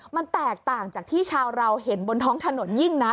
มันแตกต่างจากที่ชาวเราเห็นบนท้องถนนยิ่งนะ